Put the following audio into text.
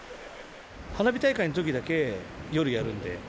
花火大会のときだけ、夜やるんで。